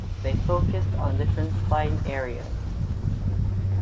They focused on different flying areas.